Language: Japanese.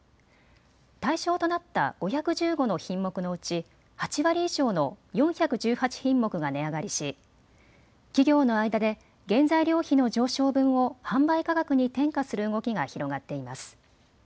対象となった５１５の品目のうち８割以上の４１８品目が値上がりし企業の間で原材料費の上昇分を販売価格に転嫁する動きが広がっています。